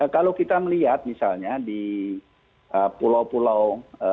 kalau kita melihat misalnya di pulau pulau